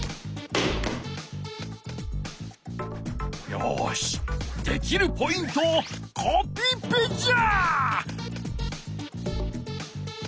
よしできるポイントをコピペじゃ！